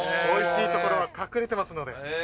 おいしいところは隠れてますので。